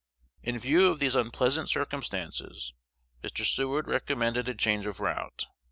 In view of these unpleasant circumstances, Mr. Seward recommended a change of route.